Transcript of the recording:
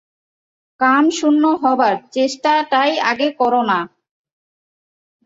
কামশূন্য হবার চেষ্টাটাই আগে কর না।